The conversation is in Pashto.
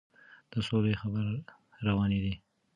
د سولې خبرې روانې وې.